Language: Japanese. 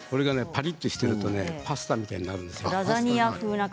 パリっとしてるとパスタみたいなるんですよ。